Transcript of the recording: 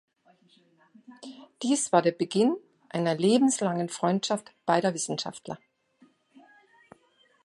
Dies war der Beginn einer lebenslangen Freundschaft beider Wissenschaftler.